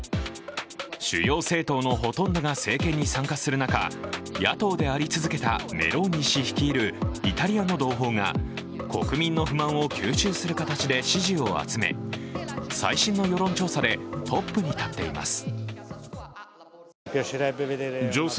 主要政党のほとんどが政権に参加する中、野党であり続けたメローニ氏率いるイタリアの同胞が、国民の不満を吸収する形で支持を集め最新の世論調査でトップに立っています。